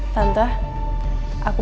tante aku bantu kamu ya